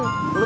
lu tau nggak